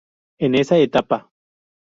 En esa etapa